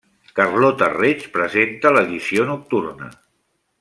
Carlota Reig presenta l'edició nocturna.